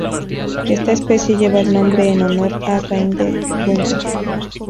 Esta especie lleva el nombre en honor a Rainer Günther.